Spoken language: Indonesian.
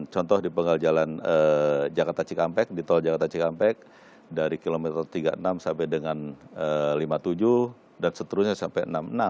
contoh di penggal jalan jakarta cikampek di tol jakarta cikampek dari kilometer tiga puluh enam sampai dengan lima puluh tujuh dan seterusnya sampai enam puluh enam